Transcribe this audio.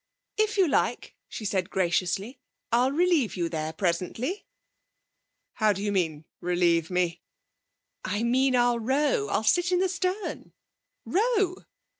'If you like,' she said graciously, 'I'll relieve you there, presently.' 'How do you mean relieve me?' 'I mean I'll row I'll sit in the stern row!'